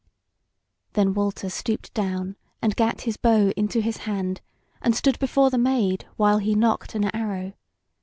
Then Walter stooped down and gat his bow into his hand, and stood before the Maid, while he nocked an arrow.